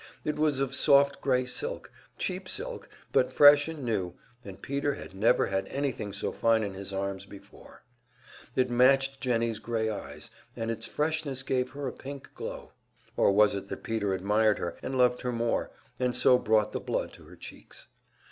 It was of soft grey silk cheap silk, but fresh and new, and Peter had never had anything so fine in his arms before. It matched Jennie's grey eyes, and its freshness gave her a pink glow; or was it that Peter admired her, and loved her more, and so brought the blood to her cheeks?